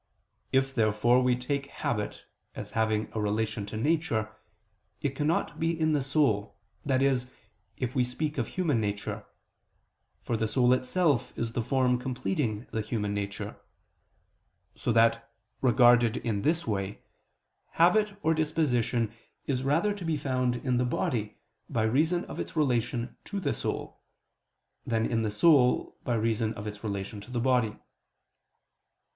If therefore we take habit as having a relation to nature, it cannot be in the soul that is, if we speak of human nature: for the soul itself is the form completing the human nature; so that, regarded in this way, habit or disposition is rather to be found in the body by reason of its relation to the soul, than in the soul by reason of its relation to the body.